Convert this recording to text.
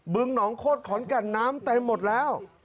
ึงหนองโคตรขอนแก่นน้ำเต็มหมดแล้ว